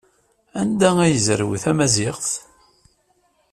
Anda ay yezrew tamaziɣt?